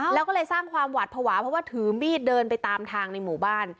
แล้วก็เลยสร้างความหวัดภาวะเพราะว่าถือมีดเดินไปตามทางในหมู่บ้าน